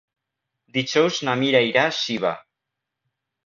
Dijous na Mira irà a Xiva.